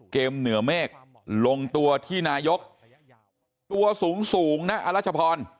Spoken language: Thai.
เหนือเมฆลงตัวที่นายกตัวสูงนะอรัชพร